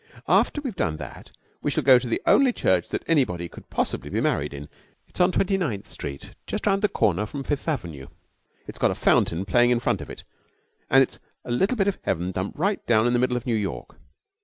After we've done that we shall go to the only church that anybody could possibly be married in. It's on Twenty ninth Street, just round the corner from Fifth Avenue. It's got a fountain playing in front of it, and it's a little bit of heaven dumped right down in the middle of New York.